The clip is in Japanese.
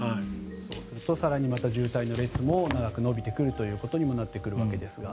そうすると更にまた渋滞の列も伸びてくるということになるわけですが。